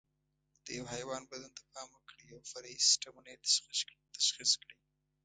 د یوه حیوان بدن ته پام وکړئ او فرعي سیسټمونه یې تشخیص کړئ.